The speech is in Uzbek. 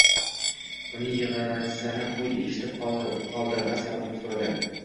Uning yigʻisini qoʻy eshitib qoldi va sababini soʻradi